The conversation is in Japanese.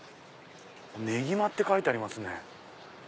「ねぎま」って書いてありますね。